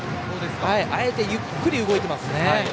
あえてゆっくり動いてますね。